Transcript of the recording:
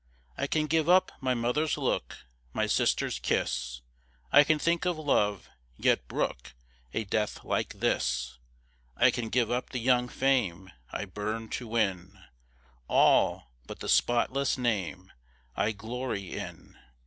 I can give up my mother's look My sister's kiss; I can think of love yet brook A death like this! I can give up the young fame I burn'd to win All but the spotless name I glory in.